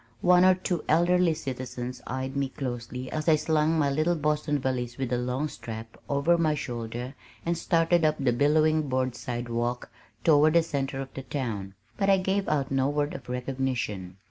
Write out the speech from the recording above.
One or two elderly citizens eyed me closely as I slung my little Boston valise with a long strap over my shoulder and started up the billowing board sidewalk toward the center of the town, but I gave out no word of recognition.